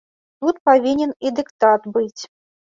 Тут павінен і дыктат быць.